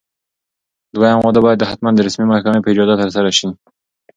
دویم واده باید حتماً د رسمي محکمې په اجازه ترسره شي.